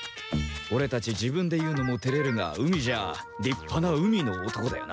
オレたち自分で言うのもてれるが海じゃりっぱな海の男だよな。